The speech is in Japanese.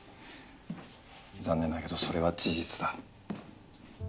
残念だけどそれは事実だ。